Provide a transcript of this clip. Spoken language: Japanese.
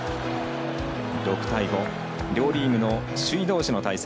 ６対５両リーグの首位どうしの対戦。